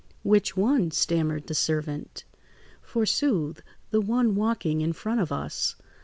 "Which one?" stammered the servant. "Forsooth! The one walking in front of us."